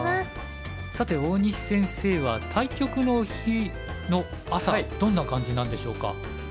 さて大西先生は対局の日の朝どんな感じなんでしょうか？